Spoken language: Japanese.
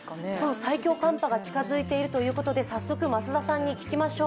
最強寒波が近づいているということで早速、増田さんに聞きましょう。